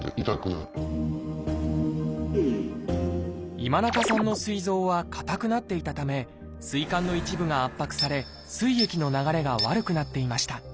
今中さんのすい臓は硬くなっていたためすい管の一部が圧迫されすい液の流れが悪くなっていました。